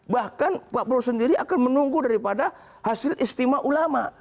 bahkan pak prabowo sendiri akan menunggu daripada hasil istimewa ulama